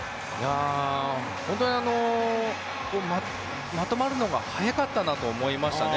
本当にまとまるのが早かったなと思いますね